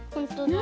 ね